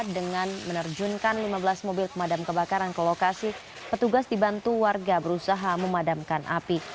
dengan menerjunkan lima belas mobil pemadam kebakaran ke lokasi petugas dibantu warga berusaha memadamkan api